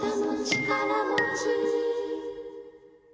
ちからもち？